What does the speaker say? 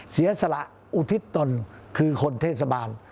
เสียสละอุทิศตนคือคนเทศบาล